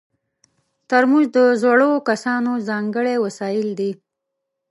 ترموز د زړو کسانو ځانګړی وسایل دي.